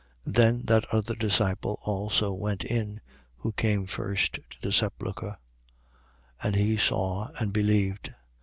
20:8. Then that other disciple also went in, who came first to the sepulchre: and he saw and believed.